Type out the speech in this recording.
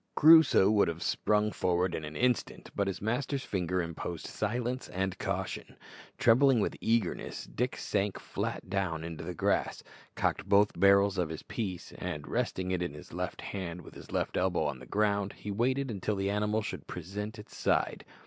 Crusoe would have sprung forward in an instant, but his master's finger imposed silence and caution. Trembling with eagerness, Dick sank flat down in the grass, cocked both barrels of his piece, and, resting it on his left hand with his left elbow on the ground, he waited until the animal should present its side.